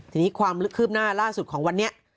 ทีนี้ความคืบหน้าล่าสุดของวันนี้